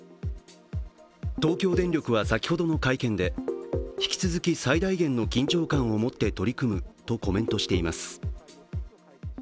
東京電力は先ほどの会見で、引き続き最大限の緊張感を持って取り組むとコメントしています